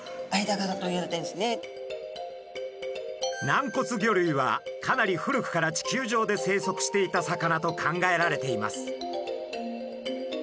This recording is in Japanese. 軟骨魚類はかなり古くから地球上で生息していた魚と考えられています。